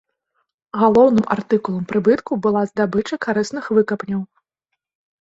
Галоўным артыкулам прыбытку была здабыча карысных выкапняў.